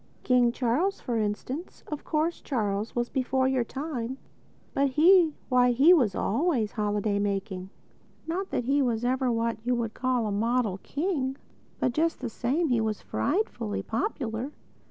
King Charles, for instance—of course Charles was before your time—but he!—why, he was always holiday making. Not that he was ever what you would call a model king. But just the same, he was frightfully popular.